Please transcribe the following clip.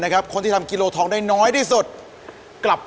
ครับผมมั่นใจสิครับ